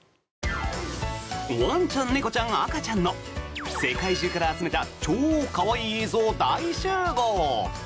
ワンちゃん、猫ちゃん赤ちゃんの世界中から集めた超可愛い映像大集合！